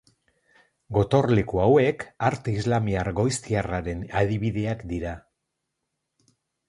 Gotorleku hauek arte islamiar goiztiarraren adibideak dira.